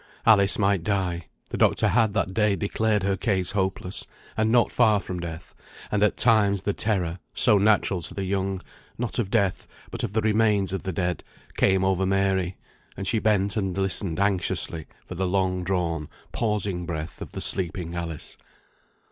Alice might die; the doctor had that day declared her case hopeless, and not far from death; and at times the terror, so natural to the young, not of death, but of the remains of the dead, came over Mary; and she bent and listened anxiously for the long drawn, pausing breath of the sleeping Alice.